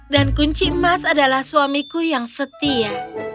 dan kunci emas adalah suamiku yang setia